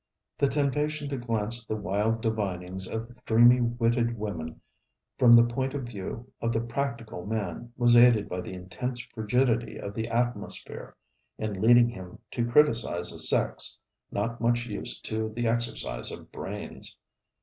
The temptation to glance at the wild divinings of dreamy witted women from the point of view of the practical man, was aided by the intense frigidity of the atmosphere in leading him to criticize a sex not much used to the exercise of brains.